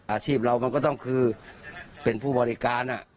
อาชีพเรามันก็ต้องคือเป็นผู้บริการ